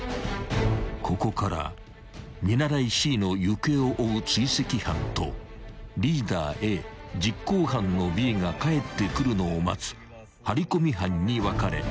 ［ここから見習いＣの行方を追う追跡班とリーダーＡ実行犯のＢが帰ってくるのを待つ張り込み班に分かれ